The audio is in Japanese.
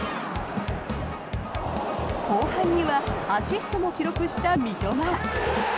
後半にはアシストも記録した三笘。